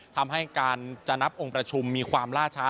ทำให้การจะนับองค์ประชุมมีความล่าช้า